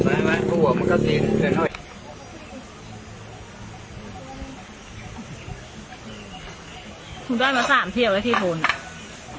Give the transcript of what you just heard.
สองตัวถูกมาสามเที่ยวเลยที่คอเนี่ย